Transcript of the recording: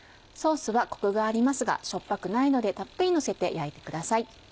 ソースはコクがありますがしょっぱくないのでたっぷりのせて焼いてください。